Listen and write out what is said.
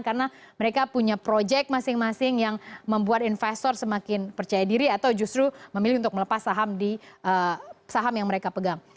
karena mereka punya proyek masing masing yang membuat investor semakin percaya diri atau justru memilih untuk melepas saham yang mereka pegang